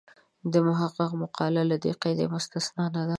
د محق مقاله له دې قاعدې مستثنا نه ده.